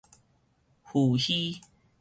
伏羲